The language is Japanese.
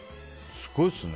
すごいですね。